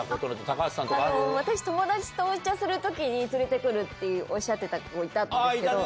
高橋さんとかある？に連れて来るっておっしゃってた子いたんですけど。